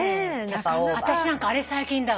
私なんかあれ最近だわ。